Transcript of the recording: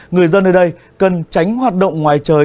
người dân ở đây cần tránh hoạt động ngoài trời